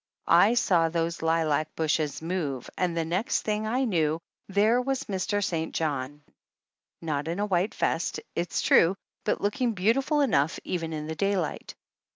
I saw those lilac bushes move and the next thing I knew there was Mr. St. John. Not in a white vest, it's true, but looking beau tiful enough, even in the daylight.